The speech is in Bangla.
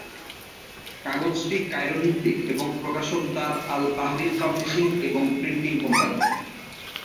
কাগজটি কায়রো ভিত্তিক এবং প্রকাশক দার আল তাহরির পাবলিশিং এবং প্রিন্টিং কোম্পানি।